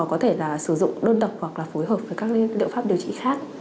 đó là sử dụng đơn độc hoặc là phối hợp với các liệu pháp điều trị khác